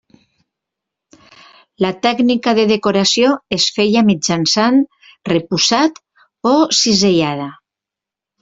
La tècnica de decoració es feia mitjançant repussat o cisellada.